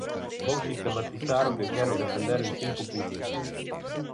Vou sistematizar o que quero defender en cinco puntos.